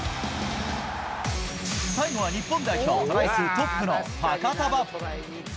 最後は日本代表、トライ数トップのファカタヴァ。